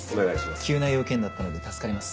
急な用件だったので助かります。